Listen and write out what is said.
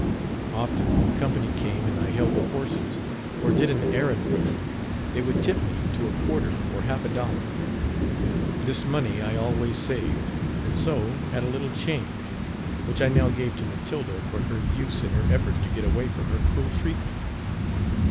Often when company came and I held the horses, or did an errand for them, they would tip me to a quarter or half a dollar. This money I always saved, and so had a little change, which I now gave to Matilda, for her use in her effort to get away from her cruel treatment.